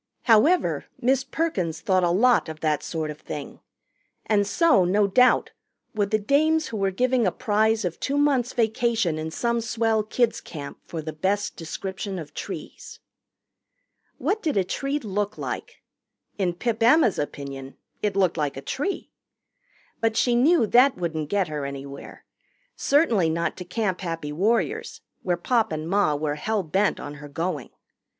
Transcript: However, Miss Perkins thought a lot of that sort of thing, and so, no doubt, would the dames who were giving a prize of two months' vacation in some swell kids' camp for the best description of trees. What did a tree look like? In Pip Emma's opinion it looked like a tree. But she knew that wouldn't get her anywhere certainly not to Camp Happy Warriors, where Pop and Ma were hell bent on her going.